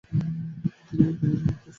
তিনি উমরকে নিজের উত্তরসূরি ঘোষণা করে যান।